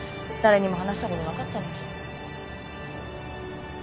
誰にも話したことなかったのに。